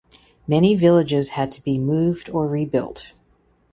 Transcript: Many villages had to be moved or rebuilt.